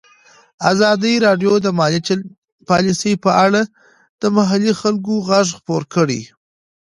ازادي راډیو د مالي پالیسي په اړه د محلي خلکو غږ خپور کړی.